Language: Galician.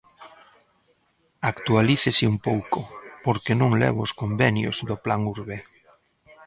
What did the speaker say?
Actualícese un pouco, porque non levo os convenios do Plan Hurbe.